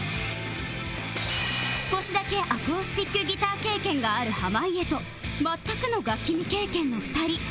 少しだけアコースティックギター経験がある濱家と全くの楽器未経験の２人